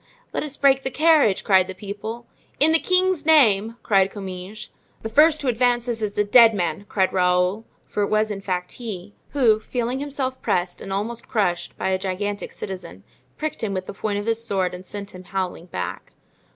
"Let us break the carriage!" cried the people. "In the king's name!" cried Comminges. "The first who advances is a dead man!" cried Raoul, for it was in fact he, who, feeling himself pressed and almost crushed by a gigantic citizen, pricked him with the point of his sword and sent him howling back.